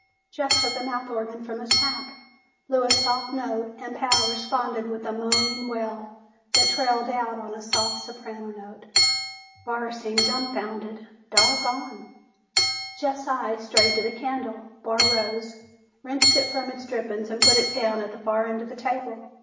Jeff took a mouth organ from his pack, blew a soft note and Pal responded with a moaning wail that trailed out on a soft soprano note. Barr seemed dumfounded. "Doggone!" Jeff's eyes strayed to the candle. Barr rose, wrenched it from its drippings and put it down at the far end of the table.